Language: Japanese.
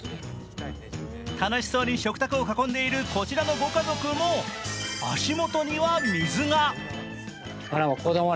楽しそうに食卓を囲んでいる、こちらのご家族も、足元には水が。